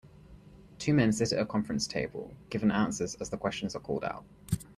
Two men sit at table at a conference given answers as the questions are called out.